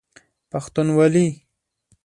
پښتونوالی